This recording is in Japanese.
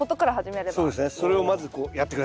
それをまずこうやって下さい。